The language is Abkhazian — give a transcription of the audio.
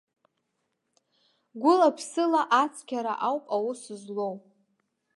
Гәыла-ԥсыла ацқьара ауп аус злоу.